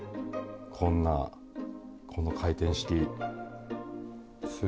こんなこの回転式。